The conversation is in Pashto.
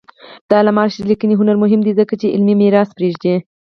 د علامه رشاد لیکنی هنر مهم دی ځکه چې علمي میراث پرېږدي.